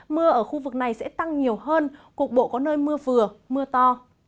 mưa ở khu vực này sẽ tăng nhiều hơn cục bộ có nơi mưa vừa mưa to